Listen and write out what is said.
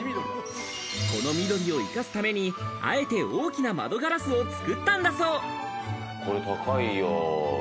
この緑を生かすためにあえて大きな窓ガラスをこれ高いよ。